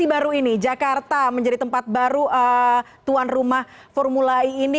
leksi baru ini jakarta menjadi tempat baru tuan rumah formulai ini